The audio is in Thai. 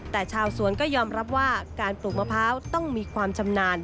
แต่ชาวสวนก็ยอมรับว่าการปลูกมะพร้าวต้องมีความชำนาญ